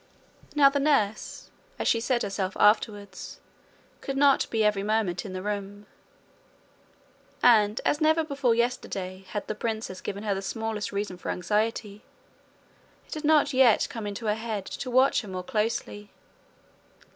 Now the nurse, as she said herself afterwards, could not be every moment in the room; and as never before yesterday had the princess given her the smallest reason for anxiety, it had not yet come into her head to watch her more closely.